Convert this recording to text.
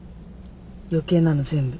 余計なの全部。